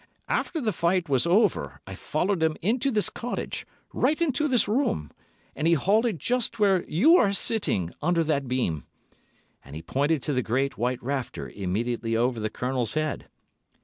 "After the fight was over I followed him into this cottage, right into this room. And he halted just where you are sitting, under that beam," and he pointed to the great, white rafter immediately over the Colonel's head.